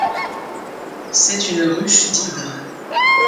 C’est une ruche d’hydres.